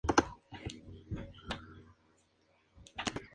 Celoso los cuelga a todos.